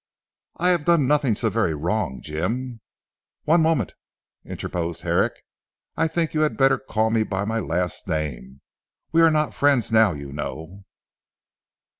"I have done nothing so very wrong Jim " "One moment," interposed Herrick, "I think you had better call me by my last name. We are not friends now you know."